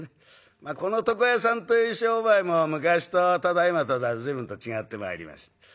まあこの床屋さんという商売も昔とただいまとでは随分と違ってまいりました。